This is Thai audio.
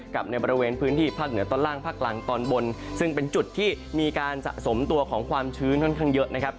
กับในบริเวณพื้นที่ภาคเหนือตอนล่างภาคกลางตอนบนซึ่งเป็นจุดที่มีการสะสมตัวของความชื้นค่อนข้างเยอะนะครับ